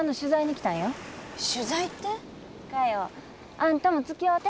あんたも付き合うて。